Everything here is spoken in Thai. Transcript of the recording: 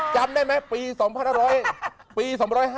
จำได้ไหมปี